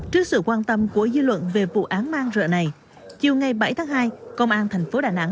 trước sự quan tâm của dư luận về vụ án man rợ này chiều ngày bảy tháng hai công an thành phố đà nẵng